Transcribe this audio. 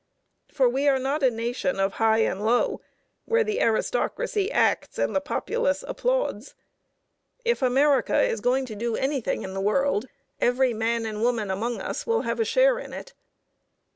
For we are not a nation of high and low, where the aristocracy acts and the populace applauds. If America is going to do anything in the world, every man and woman among us will have a share in it.